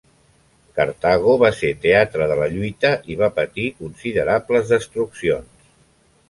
Cartago va ser teatre de la lluita i va patir considerables destruccions.